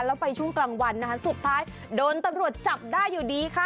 แล้วไปช่วงกลางวันนะคะสุดท้ายโดนตำรวจจับได้อยู่ดีค่ะ